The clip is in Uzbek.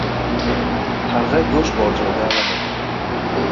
• Qarg‘a go‘sht bor joyda aylanadi.